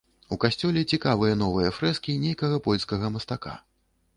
У касцёле цікавыя новыя фрэскі нейкага польскага мастака.